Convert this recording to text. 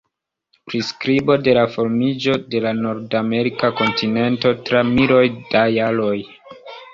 Priskribo de la formiĝo de la nordamerika kontinento tra miloj da jaroj.